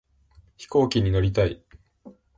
飛行機に乗りたい